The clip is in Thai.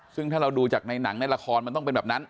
ซึ่งถ้าเราดูจากในหนังในละครมันต้องเป็นแบบนั้น